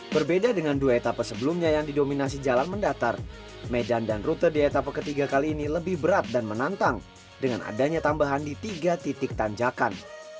berbeda dengan dua etapa sebelumnya yang didominasi jalan mendatar medan dan rute di etapa ketiga kali ini lebih berat dan menantang dengan adanya tambahan di tiga titik tanjakan